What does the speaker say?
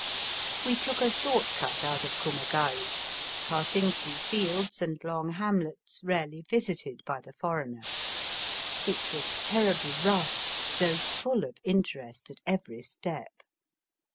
We took a short cut out of Kumagai, pass ing through fields and long hamlets rarely visited by the foreigner. It was terribly rough, though full of interest at every step.